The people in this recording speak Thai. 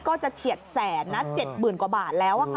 เฉียดแสนนะ๗๐๐กว่าบาทแล้ว